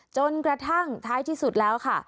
จนกระทั่งท้ายที่สุดแล้วค่ะ